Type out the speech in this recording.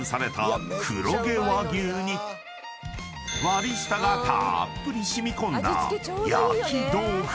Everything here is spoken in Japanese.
［割下がたーっぷり染み込んだ］